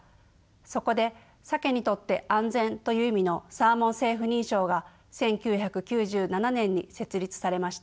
そこでサケにとって安全という意味のサーモン・セーフ認証が１９９７年に設立されました。